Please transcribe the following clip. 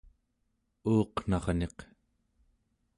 uuqnarniq